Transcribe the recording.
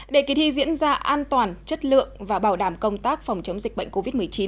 để kỳ thi diễn ra an toàn chất lượng và bảo đảm công tác phòng chống dịch bệnh covid một mươi chín